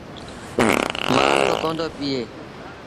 مآل با ڪوندو پيٚئي۔